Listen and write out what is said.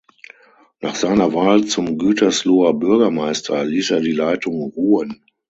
Nach seiner Wahl zum Gütersloher Bürgermeister ließ er die Leitung ruhen.